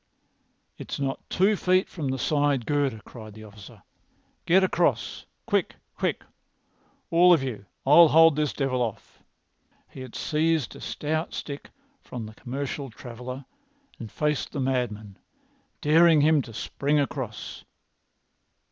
"It's not two feet from the side girder," cried the officer. "Get across! Quick! Quick! All of you. I'll hold this devil off!" He had seized a stout stick from the commercial traveller and faced the madman, daring him to spring across.